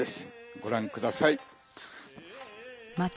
ごらんください。